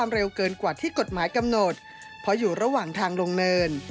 เพราะอยู่ระหว่างทางลงเนิน